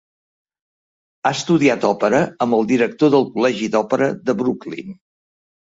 Ha estudiat òpera amb el director del Col·legi d'Òpera de Brooklyn.